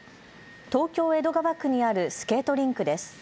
東京江戸川区にあるスケートリンクです。